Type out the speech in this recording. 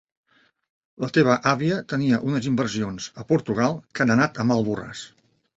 La teva àvia tenia unes inversions a Portugal que han anat a mal borràs.